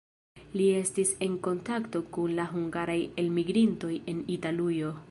Li estis en kontakto kun la hungaraj elmigrintoj en Italujo.